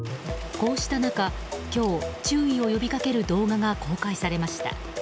こうした中、今日注意を呼びかける動画が公開されました。